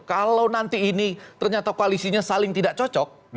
kalau nanti ini ternyata koalisinya saling tidak cocok